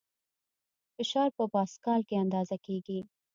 فشار په پاسکال کې اندازه کېږي.